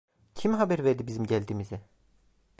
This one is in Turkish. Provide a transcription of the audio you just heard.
Kim haber verdi bizim geldiğimizi?